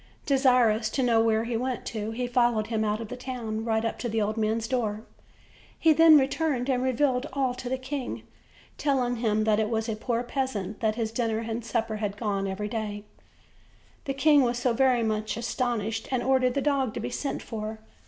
Desirous to know where he went to, he followed him out of the town right up to the old man's door. He then returned and revealed all to the king, telling him that it was to a poor peasant that his dinner and supper had gone every day. OLD, OLD FAIRY TALES. The king was very much astonished, and ordered the dog to be sent for.